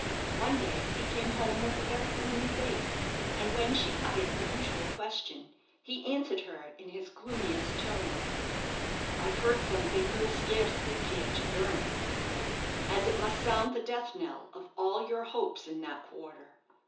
One day he came home with a very gloomy face, and when she uttered the usual question, he answered her in his gloomiest tone. "I've heard something you'll scarcely care to learn," he said, "as it must sound the death knell of all your hopes in that quarter.